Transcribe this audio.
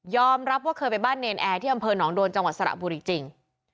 รับว่าเคยไปบ้านเนรนแอร์ที่อำเภอหนองโดนจังหวัดสระบุรีจริง